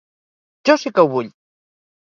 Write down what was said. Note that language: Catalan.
Jo sí que ho vull.